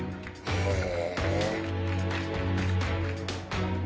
へえ。